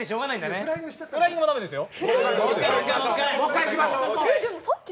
フライングも駄目ですよ。